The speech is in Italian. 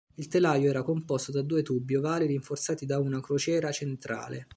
Il telaio era composto da due tubi ovali rinforzati da una crociera centrale.